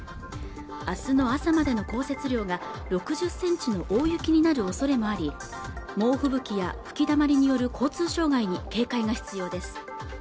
明日の朝までの降雪量が６０センチの大雪になる恐れもあり猛吹雪や吹きだまりによる交通障害に警戒が必要です